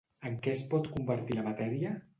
En què es pot convertir la matèria?